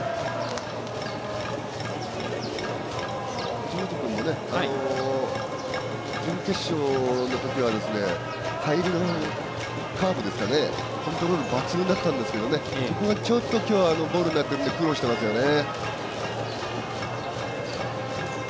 藤本君も準決勝のときカーブのコントロール抜群だったんですけどそこが、ちょっと今日はボールになって苦労していますよね。